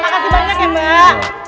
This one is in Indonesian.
makasih banyak ya mbak